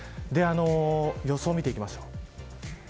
予想を見ていきましょう。